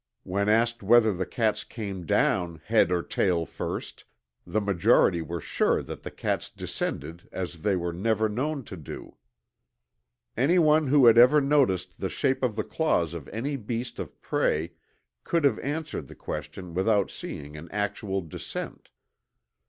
When asked whether the cats came down head or tail first, the majority were sure that the cats descended as they were never known to do. Any one who had ever noticed the shape of the claws of any beast of prey could have answered the question without seeing an actual descent.